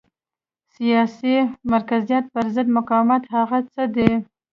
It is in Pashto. د سیاسي مرکزیت پرضد مقاومت هغه څه دي.